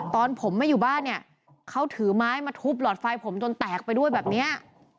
ตอนผมไม่อยู่บ้านเนี่ยเขาถือไม้มาทุบหลอดไฟผมจนแตกไปด้วยแบบเนี้ย